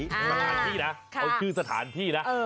สถานที่นะเขาชื่อสถานที่นะ